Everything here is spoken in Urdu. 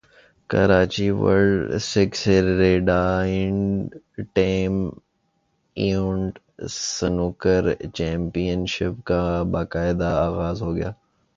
Karachi world six red and team event snooker championship کا باقاعدہ اغاز ہوگیا